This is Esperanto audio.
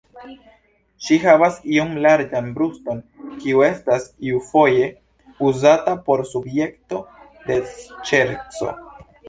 Ŝi havas iom larĝan bruston, kiu estas iufoje uzata por subjekto de ŝerco.